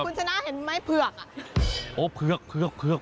คุณชนะเห็นไหมเผือก